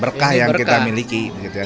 berkah yang kita miliki